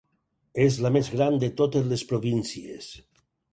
És la més gran de totes les províncies.